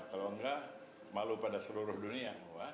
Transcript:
kalau enggak malu pada seluruh dunia